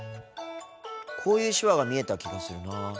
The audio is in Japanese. こういう手話が見えた気がするなぁ。